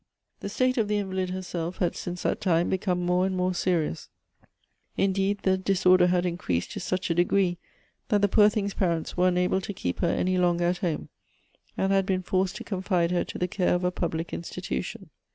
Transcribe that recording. The state of the invalid herself had since that .time become more and more serious ; indeed, the disorder had 206 Goethe's increased to such a degree, that the poor thing's parents ■were unable to keep her any longer at home, and had been forced to confide her to the care of a public insti tution.